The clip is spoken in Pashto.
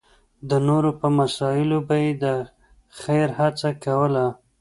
د نورو په مسایلو به یې د خېر هڅه کوله.